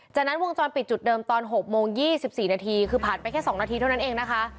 จากนั้นวงจรปิดจุดเดิมตอน๖โมง๒๔นาทีคือผ่านไปแค่๒นาทีเท่านั้นเองนะคะ